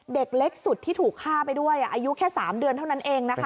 เด็กเล็กสุดที่ถูกฆ่าไปด้วยอายุแค่๓เดือนเท่านั้นเองนะคะ